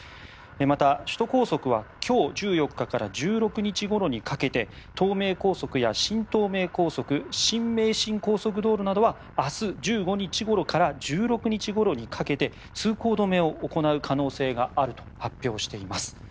また首都高速は今日１４日から１６日ごろにかけて東名高速や新東名高速新名神高速道路などは明日１５日ごろから１６日ごろにかけて通行止めを行う可能性があると発表しています。